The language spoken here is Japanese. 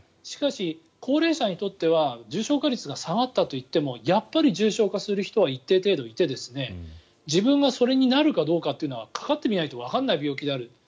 しかし、高齢者にとっては重症化率が下がったといってもやっぱり重症化する人は一定程度いて自分がそれになるかどうかってのはかかってみないとわからない病気である。